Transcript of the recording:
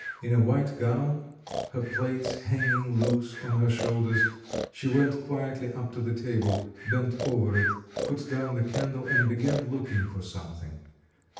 In a white gown, her plaits hanging loose on her shoulders, she went quietly up to the table, bent over it, put down the candle, and began looking for something.